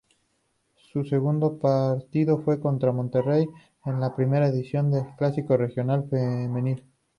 Su segundo partido fue contra Monterrey, en la primera edición del Clásico Regiomontano Femenil.